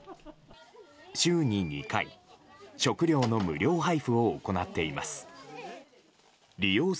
週に２回食料の無料配布を行っています。